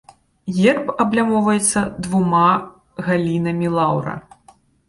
Герб аблямоўваецца двума галінамі лаўра.